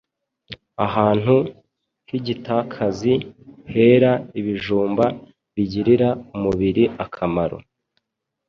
Ahantu h’igitakazi hera ibijumba bigirira umubiri akamaro.